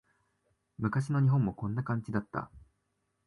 昔の日本もこんな感じだった